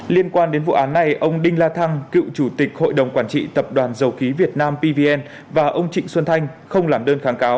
liên quan đến vụ án này ông đinh la thăng cựu chủ tịch hội đồng quản trị tập đoàn dầu khí việt nam pvn và ông trịnh xuân thanh không làm đơn kháng cáo